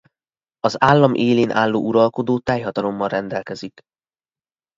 Az állam élén álló uralkodó teljhatalommal rendelkezik.